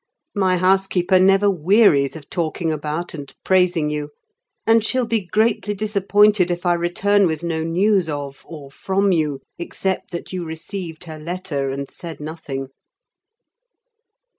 My housekeeper never wearies of talking about and praising you; and she'll be greatly disappointed if I return with no news of or from you, except that you received her letter and said nothing!"